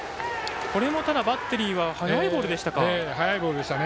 これもバッテリーは速いボールでしたか。